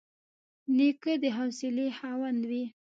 نیکه د حوصلې خاوند وي.